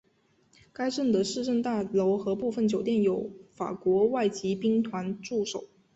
该镇的市政大楼和部分酒店有法国外籍兵团驻守。